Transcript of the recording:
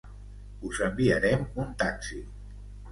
Us enviarem un taxi.